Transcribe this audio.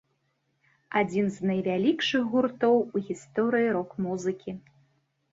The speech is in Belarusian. Адзін з найвялікшых гуртоў у гісторыі рок-музыкі.